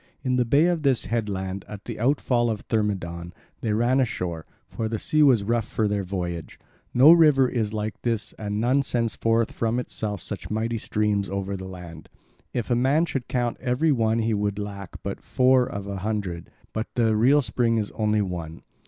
In the bay of this headland, at the outfall of Thermodon, they ran ashore, for the sea was rough for their voyage. No river is like this, and none sends forth from itself such mighty streams over the land. If a man should count every one he would lack but four of a hundred, but the real spring is only one.